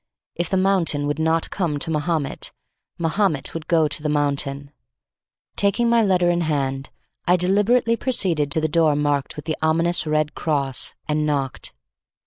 If the mountain would not come to Mahomet, Mahomet would go to the mountain. Taking my letter in the hand, I deliberately proceeded to the door marked with the ominous red cross and knocked.